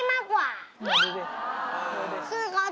อะไรลุก